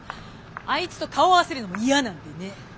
あいつと顔合わせるのも嫌なんでね。